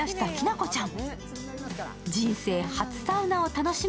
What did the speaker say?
きなこちゃん。